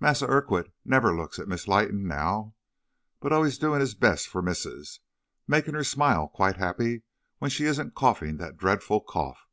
Massa Urquhart never looks at Miss Leighton now, but always doin' his best for missus, making her smile quite happy when she isn't coughing that dreadful cough.